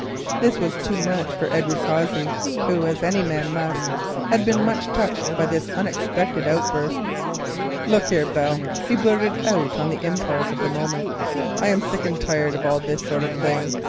This was too much for Edward Cossey, who, as any man must, had been much touched by this unexpected outburst. "Look here, Belle," he blurted out on the impulse of the moment, "I am sick and tired of all this sort of thing.